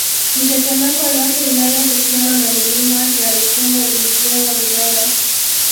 Mitetemeko yote inayohusiana na milima ya Litembo ilijengwa vibanda